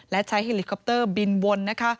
และใช้หิลิคอปเตอร์บินวน